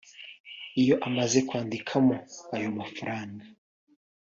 Iyo amaze kwandikamo ayo mafaranga